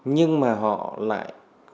nhưng mà họ lại